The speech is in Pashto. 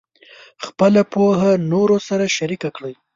خپله پوهه نورو سره شریکه کړئ.